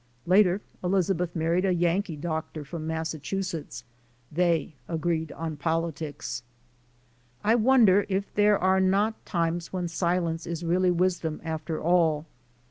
Later Elizabeth married a Yankee doctor from Massachusetts. They agreed on politics. I wonder if there are not times when silence is really wisdom after all.